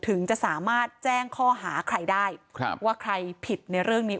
ถึงจะสามารถแจ้งข้อหาใครได้ครับว่าใครผิดในเรื่องนี้